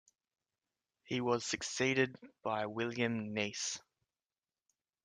He was succeeded by William Kneass.